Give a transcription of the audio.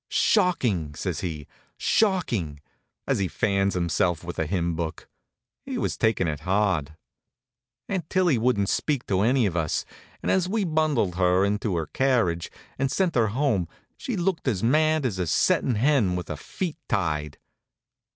"Shocking!" says he. "Shocking!" as he fans himself with a hymn book. He was takin' it hard. Aunt Tillie wouldn't speak to any of us, and as we bundled her into her carriage and sent her home she looked as mad as a settin' hen with her feet tied.